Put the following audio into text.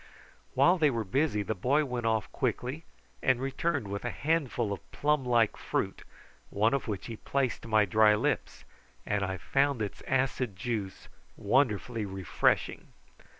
While they were busy the boy went off quickly, and returned with a handful of plum like fruit, one of which he placed to my dry lips, and I found its acid juice wonderfully refreshing.